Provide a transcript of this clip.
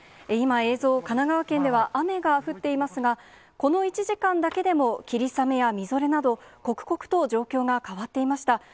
今、映像、神奈川県では雨が降っていますが、この１時間だけでも霧雨やみぞれなど、刻々と状況が変わっていました。